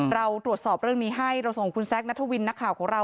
เราตรวจสอบเรื่องนี้ให้เราส่งคุณแซคนัทวินนักข่าวของเรา